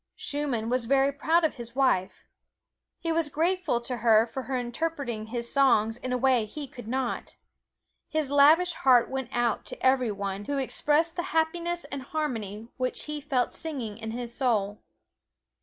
Schumann was very proud of his wife. He was grateful to her for interpreting his songs in a way he could not. His lavish heart went out to every one who expressed the happiness and harmony which he felt singing in his soul.